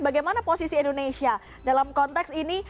bagaimana posisi indonesia dalam konteks ini